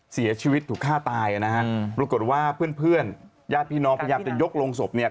เสียชีวิตถูกฆ่าตายนะฮะปรากฏว่าเพื่อนเพื่อนญาติพี่น้องพยายามจะยกโรงศพเนี่ย